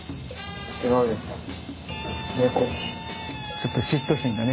ちょっと嫉妬心がね